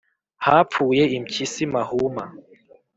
hapfuye Impyisi mahuma